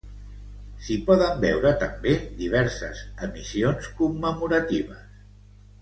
S'hi poden veure també diverses emissions commemoratives.